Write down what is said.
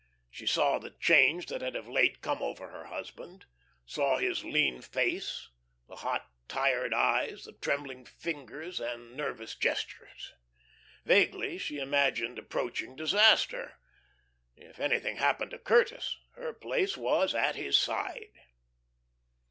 She saw the change that had of late come over her husband, saw his lean face, the hot, tired eyes, the trembling fingers and nervous gestures. Vaguely she imagined approaching disaster. If anything happened to Curtis, her place was at his side.